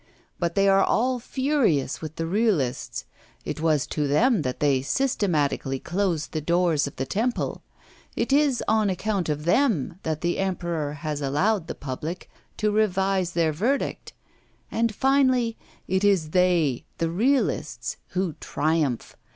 But they are all furious with the realists. It was to them that they systematically closed the doors of the temple; it is on account of them that the Emperor has allowed the public to revise their verdict; and finally it is they, the realists, who triumph.